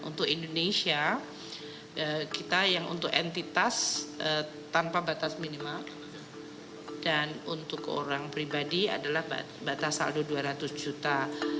untuk indonesia kita yang untuk entitas tanpa batas minimal dan untuk orang pribadi adalah batas saldo dua ratus juta